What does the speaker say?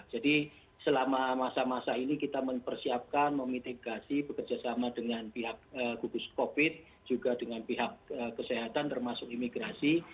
selama masa masa ini kita mempersiapkan memitigasi bekerjasama dengan pihak gugus covid juga dengan pihak kesehatan termasuk imigrasi